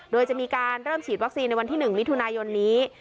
โดยจะมีการเริ่มฉีดวัคซีนในวันที่๑มิถุนายนนี้